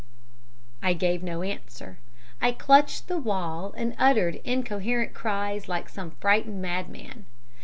"I gave no answer. I clutched the wall and uttered incoherent cries like some frightened madman.